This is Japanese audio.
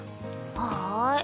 はい。